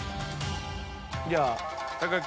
じゃあ木